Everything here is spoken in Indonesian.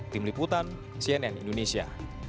tim liputan cnn indonesia